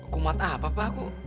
kumat apa bapak